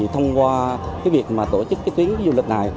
thông qua việc tổ chức tuyến du lịch này